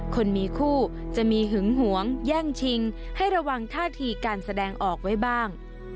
คนมีคู่จะมีหึงหวงแย่งชิงให้ระวังท่าทีการแสดงออกไว้บ้าง